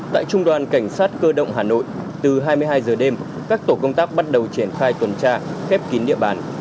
tại trung đoàn cảnh sát cơ động hà nội từ hai mươi hai giờ đêm các tổ công tác bắt đầu triển khai tuần tra khép kín địa bàn